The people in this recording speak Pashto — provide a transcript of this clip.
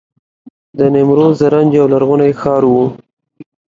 د نیمروز زرنج یو لرغونی ښار و